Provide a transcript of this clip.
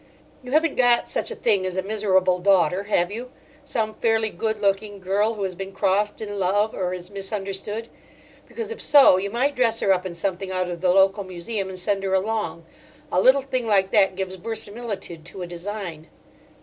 "You haven't got such a thing as a miserable daughter, have you? Some fairly good looking girl who has been crossed in love, or is misunderstood. Because if so, you might dress her up in something out of the local museum and send her along. A little thing like that gives verisimilitude to a design."